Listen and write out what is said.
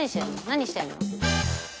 何してんの？